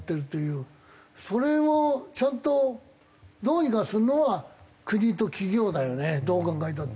それをちゃんとどうにかするのは国と企業だよねどう考えたって。